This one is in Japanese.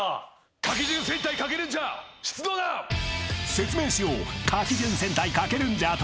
［説明しよう］